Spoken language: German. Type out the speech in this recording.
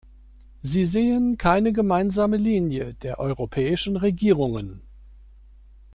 Sie sehen keine gemeinsame Linie der europäischen Regierungen.